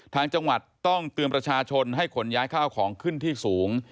ทางจังหวัดต้องเตือนประชาชนให้ขนย้ายข้าวของขึ้นที่สูง